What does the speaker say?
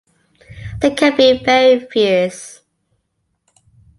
They can be very fierce.